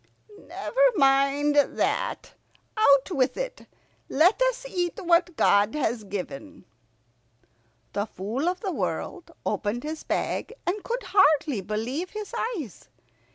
"Never mind that. Out with it. Let us eat what God has given." The Fool of the World opened his bag, and could hardly believe his eyes.